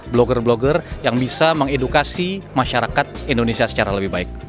blogger blogger yang bisa mengedukasi masyarakat indonesia secara lebih baik